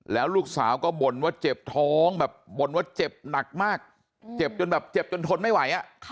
แล้วลูกสาวก็บ่นว่าเจ็บท้องแบบบ่นว่าเจ็บหนักมากเจ็บจนแบบเจ็บจนทนไม่ไหว